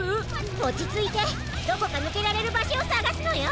おちついてどこかぬけられるばしょをさがすのよ！